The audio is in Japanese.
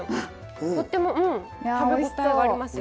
とっても食べ応えがありますよ。